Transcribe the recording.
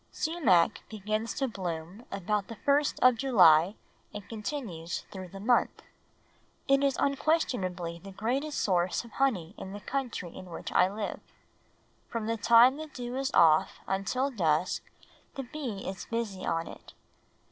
Sumac begins to bloom about the first of July and continues through the month. It is unquestionably the greatest source of honey in the country in which I live. From the time the dew is off until dusk the bee is busy on it.